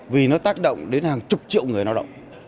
vì nó tác động đến hàng chục triệu người lao động